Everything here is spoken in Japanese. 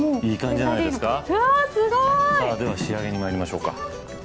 じゃあ仕上げにまいりましょうか。